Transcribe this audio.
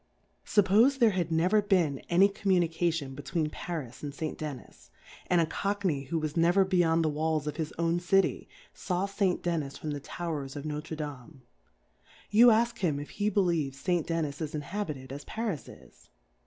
Suppofe there had never been any Communication between Pc rh and St. Dennis^ and a Cockney who was ne ver beyond the W^alls of his own City, faw St. Dermis from the Towers of Noftre Dr^me ; you ask him if he be lieves St. Dennis is Inhabited as Far is is